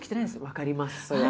分かりますそれ。